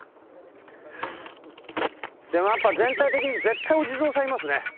でもやっぱ全体的に絶対お地蔵さんいますね。